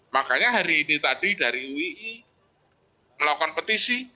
makanya hari ini tadi dari uii melakukan petisi